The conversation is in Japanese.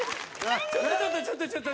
ちょっとちょっとちょっとちょっと。